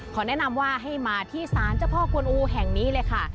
แนะนำว่าให้มาที่ศาลเจ้าพ่อกวนอูแห่งนี้เลยค่ะ